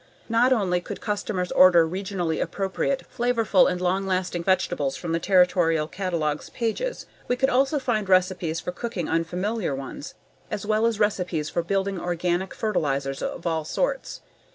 Not only could customers order regionally appropriate, flavorful and long lasting vegetables from the Territorial catalog's pages, we could also find recipes for cooking unfamiliar ones, as well as recipes for building organic fertilizers of all sorts.